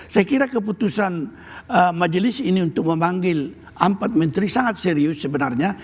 saya kira keputusan majelis ini untuk memanggil empat menteri sangat serius sebenarnya